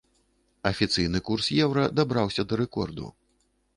Афіцыйны курс еўра дабраўся да рэкорду.